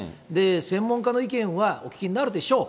専門家の意見はお聞きになるでしょう。